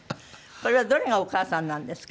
これはどれがお母さんなんですか？